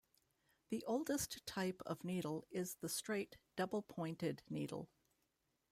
The oldest type of needle is the straight double-pointed needle.